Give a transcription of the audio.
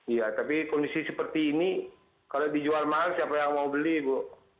iya tapi kondisi seperti ini kalau dijual mahal siapa yang mau beli bu